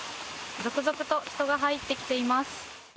続々と人が入ってきています。